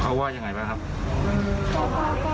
เขาไหว่อย่างไรบ้างครับ